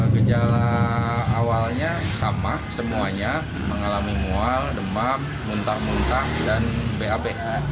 gejala awalnya sama semuanya mengalami mual demak muntah muntah dan bap